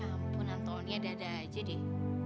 ya ampun antoni ada ada aja deh